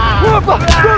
tidak ada kesalahan